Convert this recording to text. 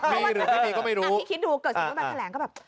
ทางที่คิดดูเกิดสิ่งที่มันแถลงก็แบบ